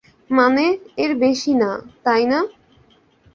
মানে, এর বেশি না, তাই না?